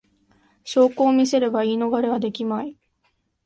証拠を見せれば言い逃れはできまい